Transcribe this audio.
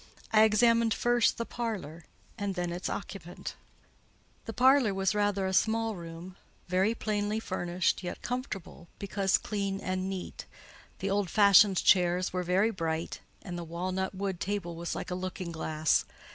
I examined first, the parlour, and then its occupant. The parlour was rather a small room, very plainly furnished, yet comfortable, because clean and neat. The old fashioned chairs were very bright, and the walnut wood table was like a looking glass.